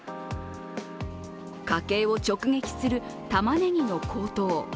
家計を直撃するたまねぎの高騰。